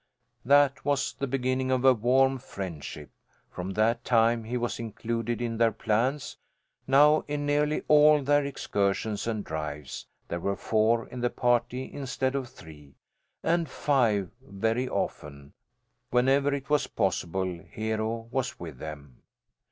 That was the beginning of a warm friendship. From that time he was included in their plans. Now, in nearly all their excursions and drives, there were four in the party instead of three, and five, very often. Whenever it was possible, Hero was with them.